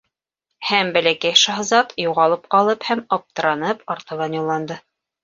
Һәм Бәләкәй шаһзат, юғалып ҡалып һәм аптыранып, артабан юлланды.